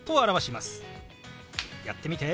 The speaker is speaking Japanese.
やってみて。